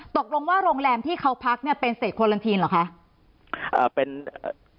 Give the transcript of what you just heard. ตกลงว่าโรงแรมที่เขาพักเนี่ยเป็นเศษควอลันทีนเหรอคะ